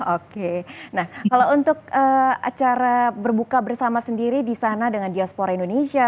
oke nah kalau untuk acara berbuka bersama sendiri di sana dengan diaspora indonesia